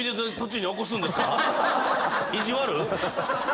意地悪